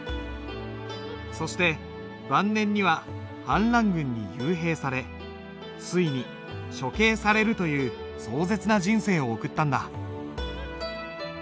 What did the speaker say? そして晩年には反乱軍に幽閉されついに処刑されるという壮絶な人生を送ったんだ。